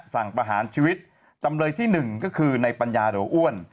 ประหารชีวิตจำเลยที่๑ก็คือในปัญญาหรืออ้วน